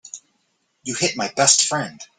You hit my best friend.